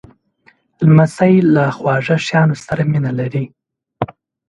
لمسی له خواږه شیانو سره مینه لري.